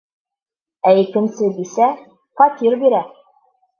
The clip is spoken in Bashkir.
Ә икенсе бисә... фатир бирә!